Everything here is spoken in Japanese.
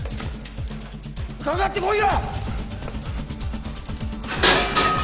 かかってこいよ！